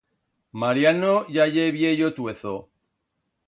Mariano ya ye viello tuezo.